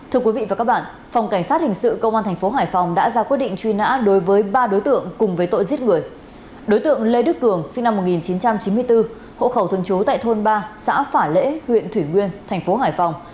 hộ khẩu thường chú tại thôn ba xã phả lễ huyện thủy nguyên thành phố hải phòng